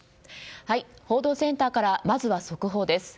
報道センターからまずは速報です。